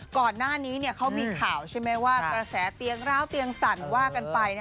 ก่อนหน้านี้เขามีข่าวใช่ไหมว่ากระแสเตียงร้าวเตียงสั่นว่ากันไป